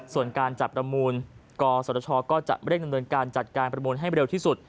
ส่วนการจัดประมูลกศชก็จะเร่งดำเนินการจัดการประมูลให้เร็วที่สุด